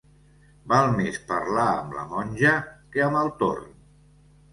Val més parlar amb la monja que amb el torn.